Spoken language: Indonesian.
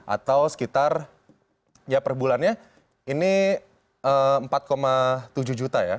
atau sekitar ya per bulannya ini empat tujuh juta ya